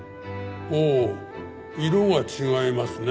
おおっ色が違いますね。